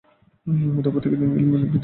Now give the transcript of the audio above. মধুপুর থেকে তিনি গেলেন দিনুদের আদি বাড়িতে।